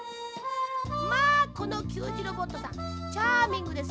まあこのきゅうじロボットさんチャーミングですね